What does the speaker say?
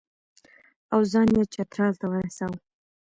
او ځان یې چترال ته ورساوه.